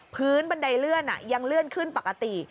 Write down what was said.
บันไดเลื่อนยังเลื่อนขึ้นปกติ